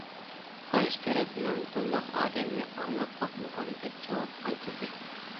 قارشى تەرەپنىڭ‹‹ بۇنداق ئادەمنى ئاڭلاپ باقمىغان››، دەپ جاۋاب قايتۇردى.